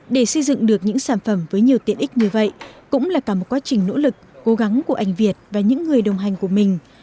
để xây dựng được những sản phẩm với nhiều tiện ích như vậy cũng là cả một quá trình nỗ lực cố gắng của anh việt và những người đồng hành của mình